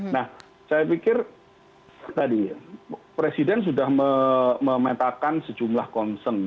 nah saya pikir tadi presiden sudah memetakan sejumlah concern